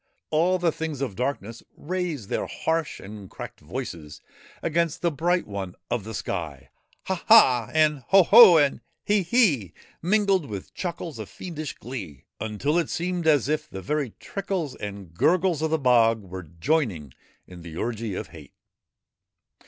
All the things of darkness raised their harsh and cracked voices against the Bright One of the sky. ' Ha, ha !' and ' Ho, ho I ' and ' He, he !' mingled with chuckles of fiendish glee, until it seemed as if the very trickles and gurgles of the bog were joining in the orgy of hate.